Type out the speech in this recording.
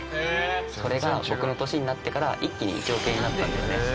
それが僕の年になってから一気に１億円になったんだよね。